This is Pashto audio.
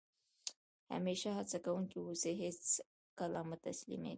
همېشه هڅه کوونکی اوسى؛ هېڅ کله مه تسلیمېږي!